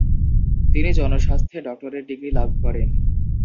তিনি জনস্বাস্থ্যে doctorate degree লাভ করেন।